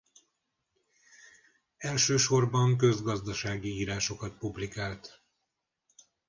Elsősorban közgazdasági írásokat publikált.